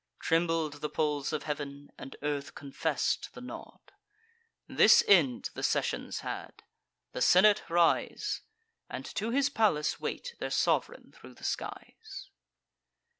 Trembled the poles of heav'n, and earth confess'd the nod. This end the sessions had: the senate rise, And to his palace wait their sov'reign thro' the skies.